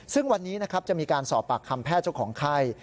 ซึ่งวันนี้จะมีการสอบปากคำแพทย์เจ้าของใคร